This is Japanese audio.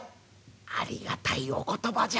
「ありがたいお言葉じゃ。